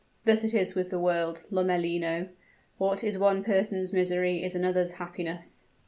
Thus it is with the world, Lomellino; what is one person's misery is another's happiness."